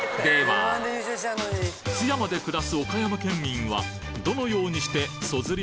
津山で暮らす岡山県民はどのようにしてそずり